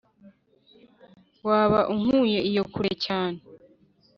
waba unkuye iyo kure cyane.